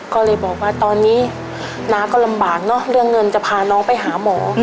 ก็เลยบอกว่าตอนนี้น้าก็ลำบากเนอะเรื่องเงินจะพาน้องไปหาหมอ